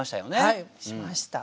はいしました。